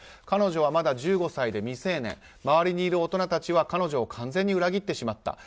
彼女はまだ１５歳で未成年周りにいる大人たちは彼女を完全に裏切ってしまった。